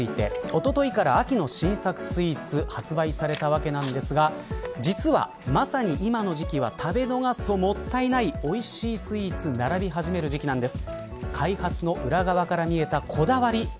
おとといから秋の新作スイーツ発売されたわけですが実は、まさに今の時期は食べ逃すともったいないおいしいスイーツが並び始める時期なんです。